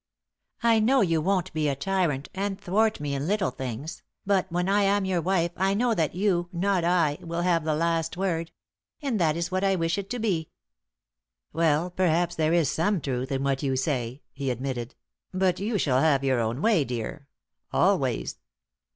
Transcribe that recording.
I know you won't be a tyrant and thwart me in little things; but when I am your wife I know that you, not I, will have the last word; and that is what I wish it to be." "Well, perhaps there is some truth in what you say," he admitted, "but you shall have your own way, dear always."